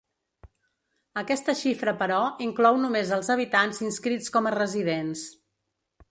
Aquesta xifra però inclou només els habitants inscrits com a residents.